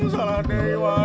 salah teh wah